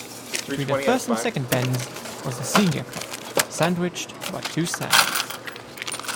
Between the first and second bends was the Senior Club sandwiched by two stands.